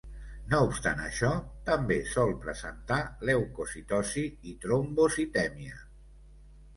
No obstant això, també sol presentar leucocitosi i trombocitèmia.